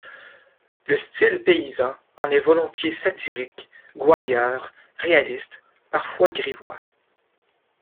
Le style paysan en est volontiers satirique, gouailleur, réaliste, parfois grivois.